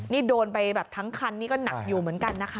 นี่โดนไปแบบทั้งคันนี่ก็หนักอยู่เหมือนกันนะคะ